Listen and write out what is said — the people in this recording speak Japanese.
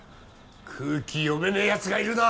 空気読めねえやつがいるな！